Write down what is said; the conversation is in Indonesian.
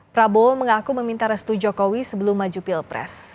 prabowo mengaku meminta restu jokowi sebelum maju pilpres